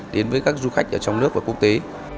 đến với các du khách ở trong nước và quốc tế